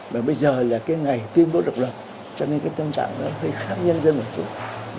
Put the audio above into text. và bây giờ là ngày tuyên bố độc lập cho nên tâm trạng nó hơi khác nhân dân ở chung